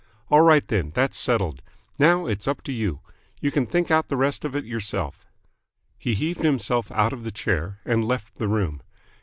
All right, then, that's settled. Now it's up to you. You can think out the rest of it yourself." He heaved himself out of the chair, and left the room.